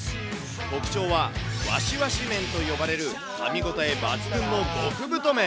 特徴は、ワシワシ麺と呼ばれるかみ応え抜群の極太麺。